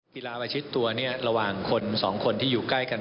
เวลาประชิดตัวระหว่างคนสองคนที่อยู่ใกล้กัน